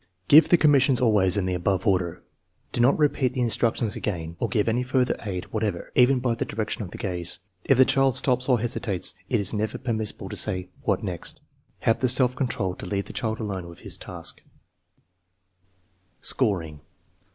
Give the commissions always in the above order. Do not repeat the instructions again or give any further aid whatever, even by the direction of the gaze. If the child stops or hesitates it is never permissible to say: " What next ?" Have the self control to leave the child alone with his task* Scoring.